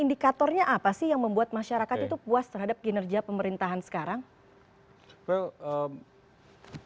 indikatornya apa sih yang membuat masyarakat itu puas terhadap kinerja pemerintahan sekarang